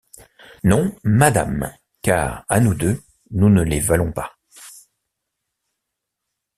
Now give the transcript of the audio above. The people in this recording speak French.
Non, madame ; car, à nous deux, nous ne les valons pas...